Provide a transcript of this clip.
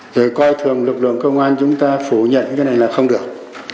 rồi coi thường lực lượng công an chúng ta phủ nhận như thế này là không được